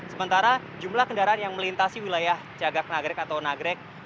sementara jumlah kendaraan yang melintasi wilayah cagak nagrek atau nagrek